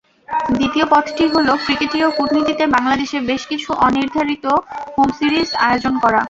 দ্বিতীয় পথটি হলো, ক্রিকেটীয় কূটনীতিতে বাংলাদেশের বেশ কিছু অনির্ধারিত হোম সিরিজ আয়োজন করা।